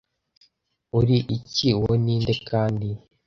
uri iki uwo ni nde kandi